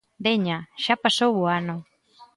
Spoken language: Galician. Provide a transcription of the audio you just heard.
_Veña, xa pasou o ano.